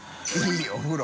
いお風呂！